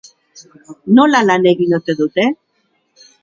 Nola lan egin ote dute?